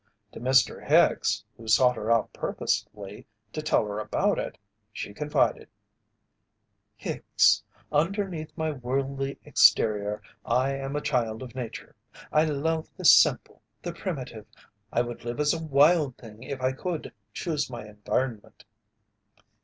To Mr. Hicks, who sought her out purposely to tell her about it, she confided: "Hicks, underneath my worldly exterior I am a Child of Nature. I love the simple, the primitive. I would live as a Wild Thing if I could choose my environment."